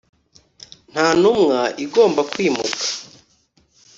nta ntumwa igomba kwimuka